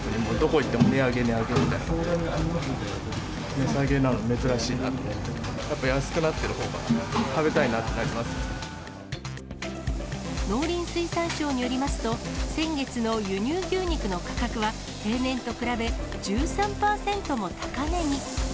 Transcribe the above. やっぱ安くなってるほうが食べた農林水産省によりますと、先月の輸入牛肉の価格は、平年と比べ１３％も高値に。